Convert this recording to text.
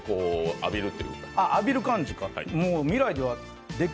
浴びる感じか。